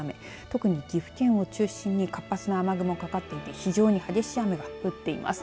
特に岐阜県を中心に活発な雨雲がかかっていて非常に激しい雨が降っています。